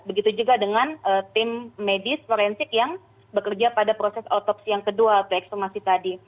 begitu juga dengan tim medis forensik yang bekerja pada proses otopsi yang kedua atau ekshumasi tadi